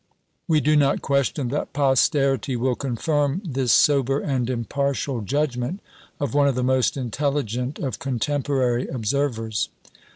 We do not question that posterity will confirm this sober and impartial judgment of one of the most intelligent of contemporary observers.